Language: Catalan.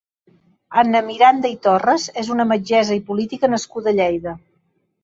Anna Miranda i Torres és una metgessa i política nascuda a Lleida.